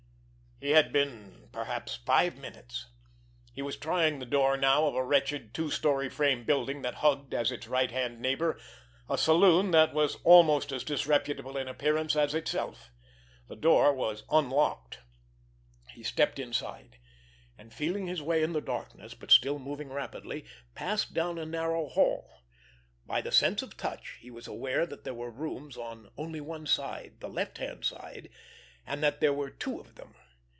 He had been perhaps five minutes. He was trying the door now of a wretched, two story frame building, that hugged, as its right hand neighbor, a saloon that was almost as disreputable in appearance as itself. The door was unlocked. He stepped inside, and, feeling his way in the darkness, but still moving rapidly, passed down a narrow hall. By the sense of touch he was aware that there were rooms on only one side, the left hand side, and that there were two of them.